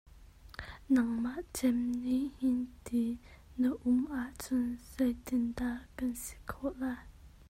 Nangmah cem nih hi ti na um ahcun zei tin dah kan si khawh lai.